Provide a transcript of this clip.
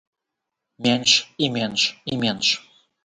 Менш, і менш, і менш.